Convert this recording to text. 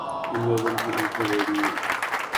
اِن لوگوں کی آنکھیں بڑی ہیں